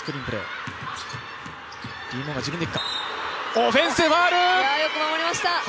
オフェンスファウル、よく守りました！